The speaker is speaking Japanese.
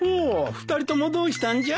２人ともどうしたんじゃ？